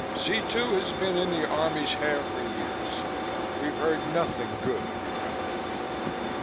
Z 2 has been in the Army's hair for years. We've heard nothing good of your outfit."